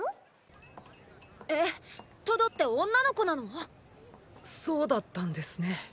トドって女の子なの⁉そうだったんですね。